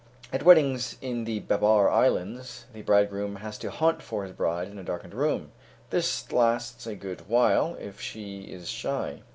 At weddings in the Babar Islands, the bridegroom has to hunt for his bride in a darkened room. This lasts a good while if she is shy.